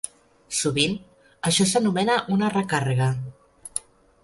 Sovint, això s'anomena una "recàrrega".